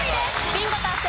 ビンゴ達成！